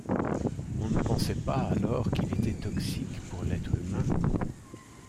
On ne pensait pas alors qu'il était toxique pour l'être humain.